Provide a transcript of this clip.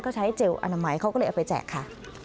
ก็ใช้เจลอนามัยเขาก็เลยเอาไปแจกค่ะ